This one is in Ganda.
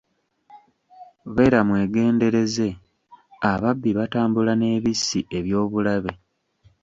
Beera mwegendereze ababbi batambula n'ebissi eby'obulabe.